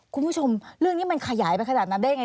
คุณผู้ชมเรื่องนี้มันขยายไปขนาดนั้นได้ยังไง